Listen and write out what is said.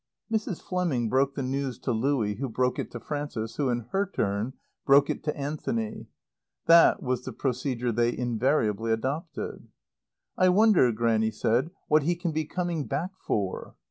Mrs. Fleming broke the news to Louie who broke it to Frances who in her turn broke it to Anthony. That was the procedure they invariably adopted. "I wonder," Grannie said, "what he can be coming back for!"